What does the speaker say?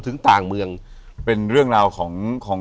อยู่ที่แม่ศรีวิรัยิลครับ